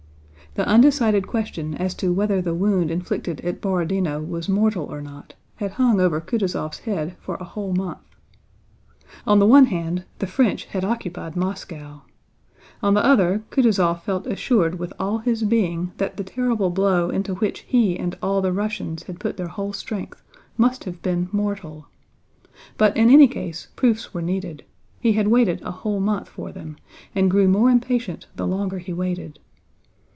The undecided question as to whether the wound inflicted at Borodinó was mortal or not had hung over Kutúzov's head for a whole month. On the one hand the French had occupied Moscow. On the other Kutúzov felt assured with all his being that the terrible blow into which he and all the Russians had put their whole strength must have been mortal. But in any case proofs were needed; he had waited a whole month for them and grew more impatient the longer he waited.